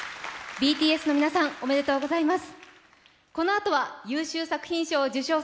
ＢＴＳの皆さんおめでとうございます。